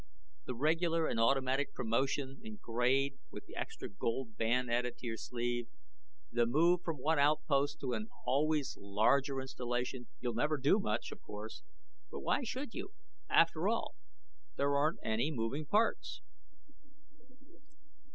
The regular and automatic promotions in grade with the extra gold band added to your sleeve; the move from one outpost to an always larger installation. You'll never do much, of course, but why should you? After all, there aren't any moving parts."